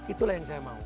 itulah yang saya mau